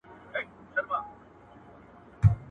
ادب له زخمه اخيستل کېږي.